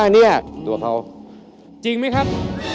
อ๋อนี่ตัวเขาจริงมั้ยครับ